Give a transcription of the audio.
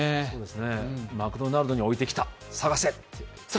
マクドナルドに置いてきた、探せ！